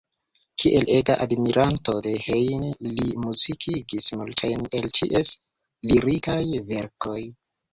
Kiel ega admiranto de Heine li muzikigis multajn el ties lirikaj verkoj.